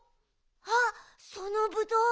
あっそのぶどう！